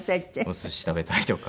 お寿司食べたいとか。